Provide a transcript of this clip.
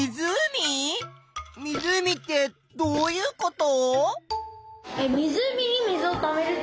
湖ってどういうこと？